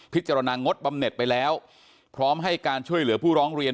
ตรงดบำเน็ตไปแล้วพร้อมให้การช่วยเหลือผู้ร้องเรียน